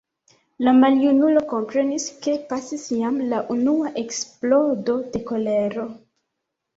La maljunulo komprenis, ke pasis jam la unua eksplodo de kolero.